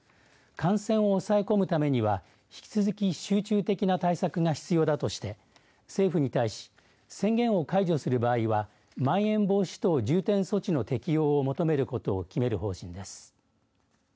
感染を抑え込むためには引き続き、集中的な対策が必要だとして、政府に対し宣言を解除する場合はまん延防止等重点措置の適用を求めることを決める方針です。